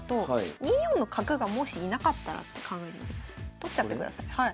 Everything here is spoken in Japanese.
取っちゃってください。